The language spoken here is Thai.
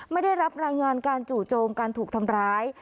ไม่ได้รับรายงานการจู่โจมการถูกทำร้าย